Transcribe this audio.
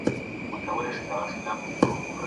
ګډ تېره وسیله مه کاروئ.